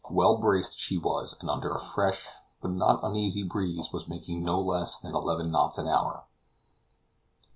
Well braced she was; and under a fresh, but not uneasy breeze, was making no less than eleven knots an hour.